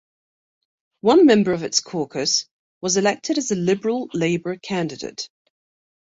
One member of its caucus was elected as a Liberal-Labour candidate.